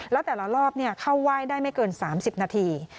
แล้วแต่ละรอบเข้าไหว้ได้ไม่เกิน๓๐นาที